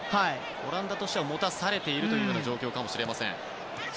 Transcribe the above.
オランダとして持たされているという状況かもしれません。